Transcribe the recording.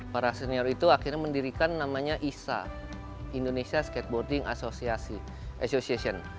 para senior itu akhirnya mendirikan namanya isa indonesia skateboarding association